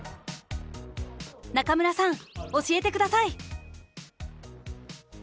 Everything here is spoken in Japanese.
中村さん教えて下さい！